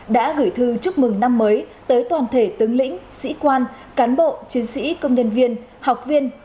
đã gửi thư chúc mừng năm mới tới toàn thể tướng lĩnh sĩ quan cán bộ chiến sĩ công nhân viên học viên